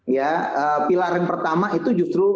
ya pilar yang pertama itu justru